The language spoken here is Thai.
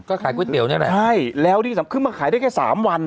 ก็ขายก๋วยเตี๋ยวนี่แหละใช่แล้วที่สำคัญขึ้นมาขายได้แค่สามวัน